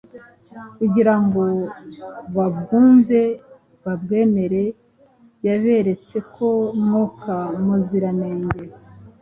kugira ngo babwumve babwemere Yaberetse ko Mwuka Muziranenge